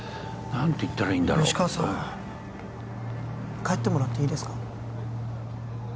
何て言ったらいいんだろう吉川さん帰ってもらっていいですか？